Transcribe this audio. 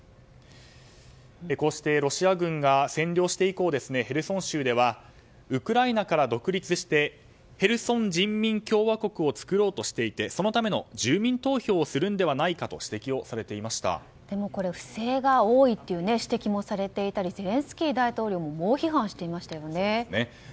こうしてロシア軍が占領して以降ヘルソン州ではウクライナから独立してヘルソン人民共和国を作ろうとしていてそのための住民投票をするのではないかとでもこれ、不正が多いという指摘もされていたりゼレンスキー大統領も猛批判していましたよね。